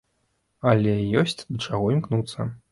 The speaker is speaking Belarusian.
Але ёсць да чаго імкнуцца.